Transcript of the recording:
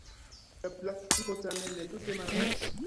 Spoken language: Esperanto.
La praktiko, tamen, ne tute malaperis.